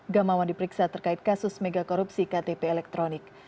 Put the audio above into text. gamawan diperiksa terkait kasus megakorupsi ktp elektronik